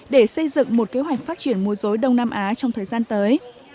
để xây dựng một kế hoạch phát triển mô dối đông nam á trong thời gian tới